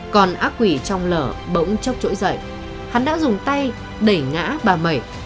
còn ác quỷ trong lở bỗng chốc trỗi dậy hắn đã dùng tay đẩy ngã bà mậy